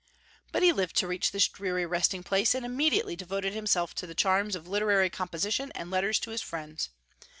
But he lived to reach this dreary resting place, and immediately devoted himself to the charms of literary composition and letters to his friends.